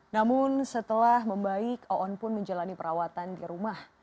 namun setelah membaik oon pun menjalani perawatan di rumah